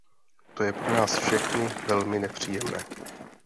To je pro nás všechny velmi nepříjemné.